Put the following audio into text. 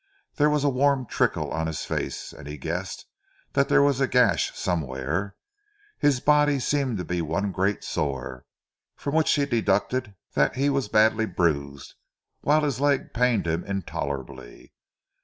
There was a warm trickle on his face and he guessed that there was a gash somewhere; his body seemed to be one great sore, from which he deducted that he was badly bruised; whilst his leg pained him intolerably.